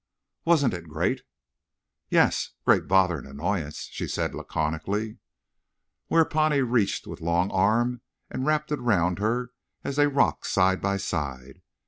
"Wasn't it great?" "Yes—great bother and annoyance," she said, laconically. Whereupon he reached with long, arm and wrapped it round her as they rocked side by side.